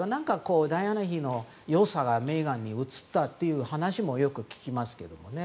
ダイアナ妃のよさがメーガンに移ったという話もよく聞きますけどもね。